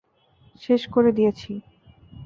শেষ করে দিয়েছি!